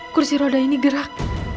kursi roda ini gerak